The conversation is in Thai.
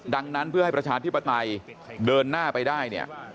ดังนั้นเพื่อให้ประชาธิปไตยเดินหน้าไปได้เนี่ย